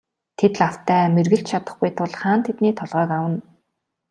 Тэд лавтай мэргэлж чадахгүй тул хаан тэдний толгойг авна.